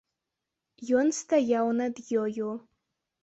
Ён стаяў над ёю.